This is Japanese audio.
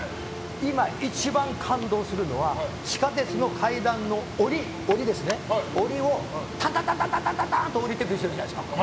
今、一番感動するのは地下鉄の階段の下りをタンタンタンと下りていく人いるじゃないですか。